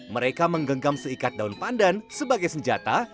mereka menggenggam seikat daun pandan sebagai senjata